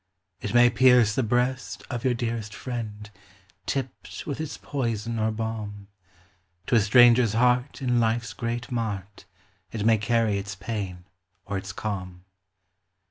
It may pierce the breast of your dearest friend, Tipped with its poison or balm; To a stranger's heart in life's great mart, It may carry its pain or its calm.